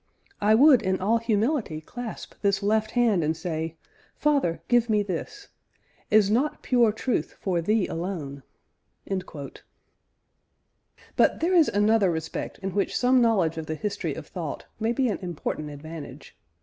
I would in all humility clasp this left hand and say, 'Father, give me this! Is not pure truth for Thee alone?'" But there is another respect in which some knowledge of the history of thought may be an important advantage.